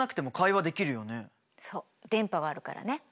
そう電波があるからね。